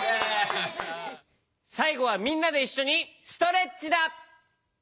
さいごはみんなでいっしょにストレッチだ！